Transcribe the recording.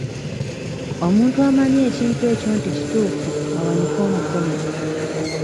Omuntu amanyi ekintu ekyo nti kituufu awanike omukono.